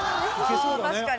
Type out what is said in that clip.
確かに。